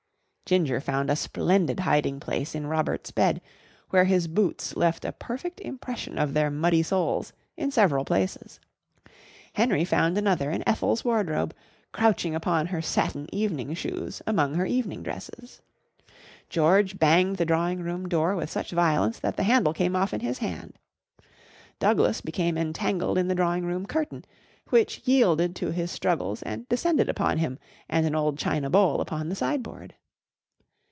Ginger found a splendid hiding place in Robert's bed, where his boots left a perfect impression of their muddy soles in several places. Henry found another in Ethel's wardrobe, crouching upon her satin evening shoes among her evening dresses. George banged the drawing room door with such violence that the handle came off in his hand. Douglas became entangled in the dining room curtain, which yielded to his struggles and descended upon him and an old china bowl upon the sideboard.